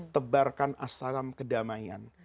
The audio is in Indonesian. tebarkan assalam kedamaian